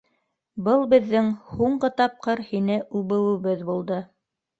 Был беҙҙең һуңғы тапҡыр һине үбеүебеҙ булды.